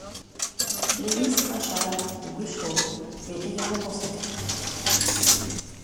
L'église Saint-Chad de Wishaw lui est également consacrée.